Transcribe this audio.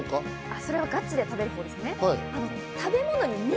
それはガチで食べるほうですね。